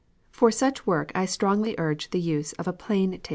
For such woi'k I strongly urge the use of a planetable.